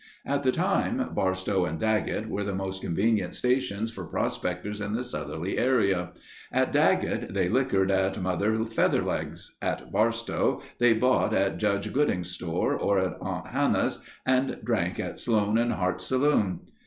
At the time, Barstow and Daggett were the most convenient stations for prospectors in the southerly area. At Daggett they likkered at Mother Featherlegs'. At Barstow they bought at Judge Gooding's store or at Aunt Hannah's, and drank at Sloan and Hart's saloon.